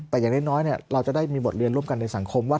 แต่อย่างน้อยเราจะได้มีบทเรียนร่วมกันในสังคมว่า